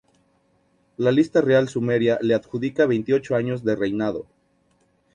La lista real sumeria le adjudica veintiocho años de reinado.